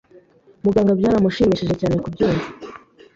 Muganga byaramushimishije cyane kubyumva